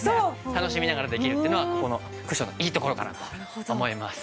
楽しみながらできるっていうのはこのクッションのいいところかなと思います。